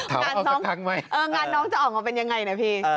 งานน้องงานน้องจะออกมาเป็นยังไงนะพี่